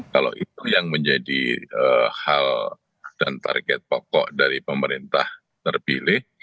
kalau itu yang menjadi hal dan target pokok dari pemerintah terpilih